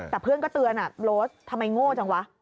แต่เพื่อนก็เตือนโรสทำไมโง่จังวะ